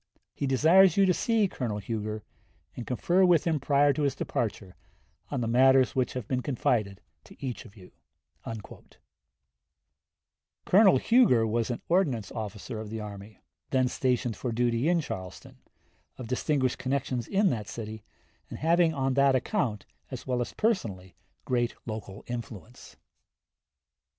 He desires you to see Colonel Huger, and confer with him prior to his departure on the matters which have been confided to each of you." Abner Doubleday, "Reminiscences of Forts Sumter and Moultrie," p. 42. Colonel Huger was an ordnance officer of the army, then stationed for duty in Charleston, of distinguished connections in that city, and having on that account as well as personally great local influence.